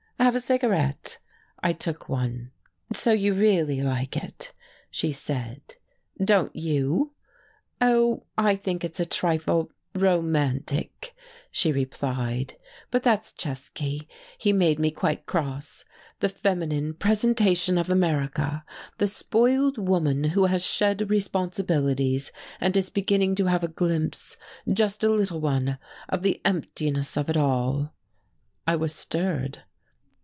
"Have a cigarette!" I took one. "So you really like it," she said. "Don't you?" "Oh, I think it's a trifle romantic," she replied "But that's Czesky. He made me quite cross, the feminine presentation of America, the spoiled woman who has shed responsibilities and is beginning to have a glimpse just a little one of the emptiness of it all." I was stirred.